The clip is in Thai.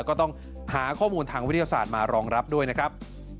ก็ต้องหาข้อมูลทางวิทยาศาสตร์มารองรับด้วยนะครับ